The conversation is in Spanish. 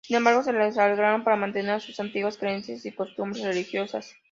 Sin embargo, se las arreglaron para mantener sus antiguas creencias y costumbres religiosas.